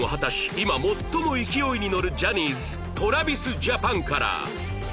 今最も勢いに乗るジャニーズ ＴｒａｖｉｓＪａｐａｎ から